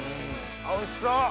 おいしそう！